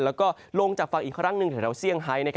แล้วก็ลงจากฝั่งอีกครั้งหนึ่งแถวเซี่ยงไฮ